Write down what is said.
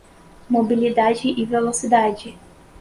Mobilidade e Velocidade